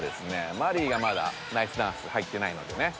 マリイがまだナイスダンス入ってないのでね